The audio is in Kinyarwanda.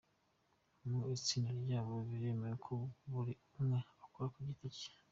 mu itsinda ryabo biremewe ko buri umwe akora ku giti cye.